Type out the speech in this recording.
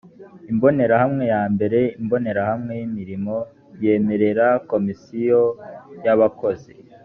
imbonerahamwe ya mbare imbonerahamwe y’imirimo yemerera komisiyo y’abakozi